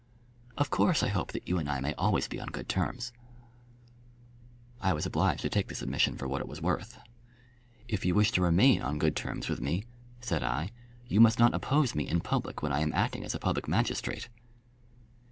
"Of course I hope that you and I may always be on good terms." I was obliged to take this admission for what it was worth. "If you wish to remain on good terms with me," said I, "you must not oppose me in public when I am acting as a public magistrate."